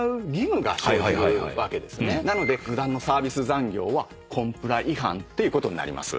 なので無断のサービス残業はコンプラ違反ということになります。